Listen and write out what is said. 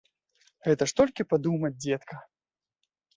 Гэта ж толькі падумаць, дзедка.